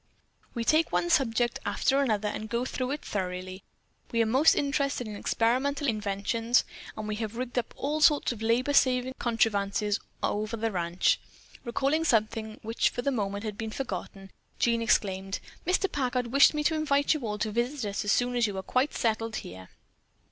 We take one subject after another and go into it thoroughly. We're most interested in experimental inventions and we have rigged up all sorts of labor saving contrivances over on the ranch." Recalling something which for the moment had been forgotten, Jean exclaimed: "Mr. Packard wished me to invite you all to visit us as soon as you are quite settled here."